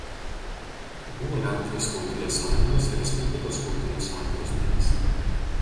Buvo Lenkijos skautijos sajungos ir Respublikos skautijos sajungos narys.